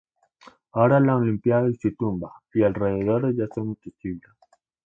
Ahora lo han limpiado y su tumba, y alrededores ya son accesibles.